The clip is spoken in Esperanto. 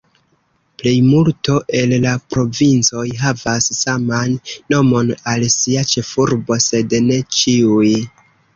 Plejmulto el la provincoj havas saman nomon al sia ĉefurbo, sed ne ĉiuj.